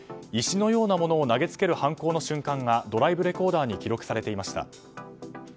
石のようなものを投げつける犯行の瞬間がドライブレコーダーに記録されていました。